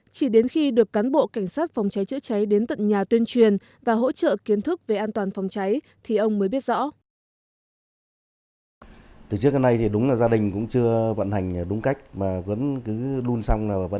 chỉ đến khi được cán bộ cảnh sát phòng cháy chữa cháy đến tận nhà tuyên truyền và hỗ trợ kiến thức về an toàn phòng cháy thì ông mới biết rõ